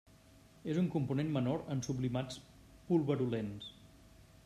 És un component menor en sublimats pulverulents.